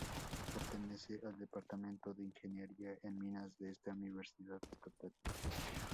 Pertenece al Departamento de Ingeniería en Minas de esta universidad estatal.